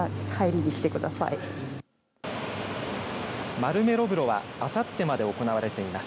マルメロ風呂はあさってまで行われています。